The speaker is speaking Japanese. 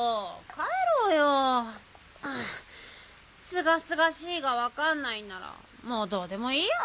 すがすがしいがわかんないならもうどうでもいいや。